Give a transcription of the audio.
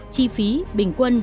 chi phí bình quân